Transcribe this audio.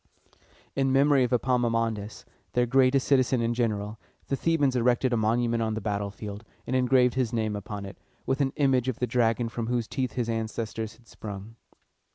In memory of Epaminondas, their greatest citizen and general, the Thebans erected a monument on the battlefield, and engraved his name upon it, with an image of the dragon from whose teeth his ancestors had sprung.